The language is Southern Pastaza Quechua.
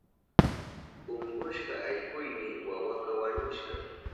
Unkushka allkuyni wawaka wañushka.